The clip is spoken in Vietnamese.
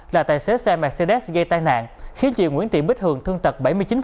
là tài xế xe mercedes gây tai nạn khiến chị nguyễn tị bích hường thương tật bảy mươi chín